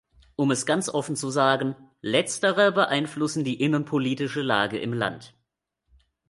Um es ganz offen zu sagen, letztere beeinflussen die innenpolitische Lage im Land.